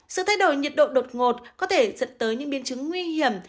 sự thay đổi nhiệt độ đột ngột có thể dẫn tới những biến chứng nguy hiểm